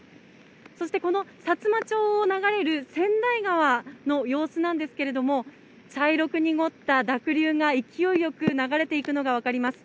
そしてこの、さつま町を流れる川内川の様子なんですけれども、茶色く濁った濁流が勢いよく流れていくのが分かります。